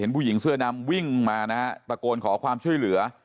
ผู้หญิงเสื้อดำวิ่งมานะฮะตะโกนขอความช่วยเหลือ